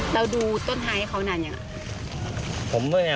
เราดูต้นท้ายให้เขานานอย่างนี้